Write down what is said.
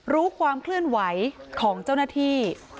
รู้ความเคลื่อนไหวของเจ้าหน้าที่